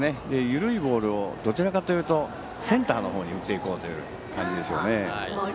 緩いボールをどちらかというとセンターの方に打っていこうという感じでしょうね。